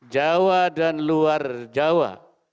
jawa dan luar jawa